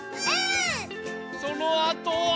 そのあとは。